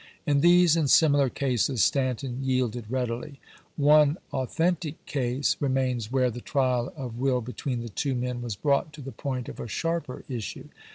In these and similar cases Stanton yielded readily. One authentic case remains where the trial of will between the two men was brought to the point of a sharper issue.